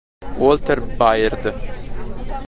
Walter Byrd